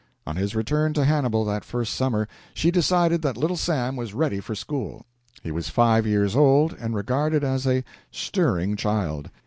On his return to Hannibal that first summer, she decided that Little Sam was ready for school. He was five years old and regarded as a "stirring child."